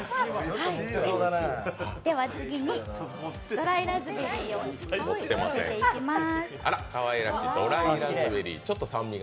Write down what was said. では次にドライラズベリーをのせていきます。